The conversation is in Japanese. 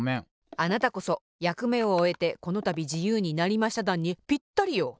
あなたこそ「やくめをおえてこのたびじゆうになりましただん」にぴったりよ。